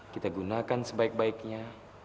kita gunakan sebaik baiknya